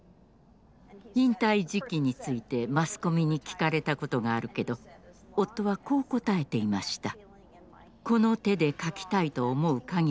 引退時期についてマスコミに聞かれたことがあるけど夫はこう答えていました。